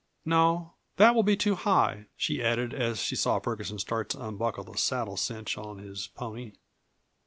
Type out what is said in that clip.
"No, that will be too high," she added, as she saw Ferguson start to unbuckle the saddle cinch on his pony.